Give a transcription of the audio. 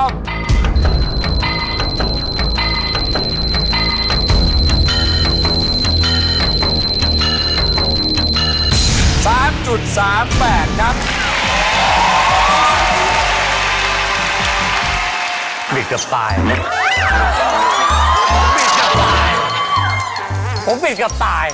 ปิดปลายอีกปิดปลาย